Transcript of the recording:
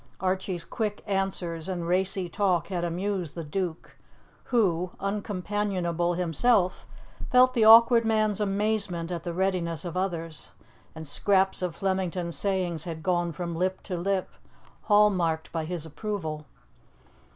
Archie's quick answers and racy talk had amused the Duke, who, uncompanionable himself, felt the awkward man's amazement at the readiness of others, and scraps of Flemington's sayings had gone from lip to lip, hall marked by his approval.